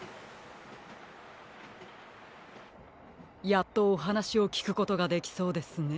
やっとおはなしをきくことができそうですね。